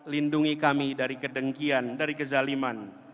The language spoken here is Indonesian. lindungi kami dari kedengkian dari kezaliman